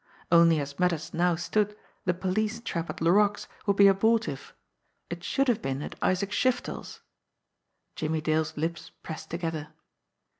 Only as matters now stood the police trap at Laroque's would be abortive it should have been at Isaac Shiftel's! Jimmie Dale's lips pressed together.